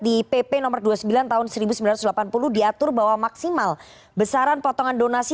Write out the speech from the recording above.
di pp nomor dua puluh sembilan tahun seribu sembilan ratus delapan puluh diatur bahwa maksimal besaran potongan donasi